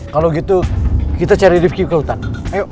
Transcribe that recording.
kalau gitu kita cari rivki ke hutan ayo